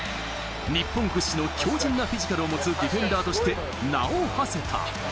日本屈指の強靭なフィジカルを持つディフェンダーとして名を馳せた。